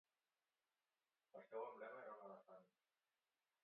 El seu emblema era un elefant.